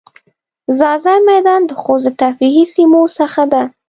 ځاځی میدان د خوست د تفریحی سیمو څخه ده.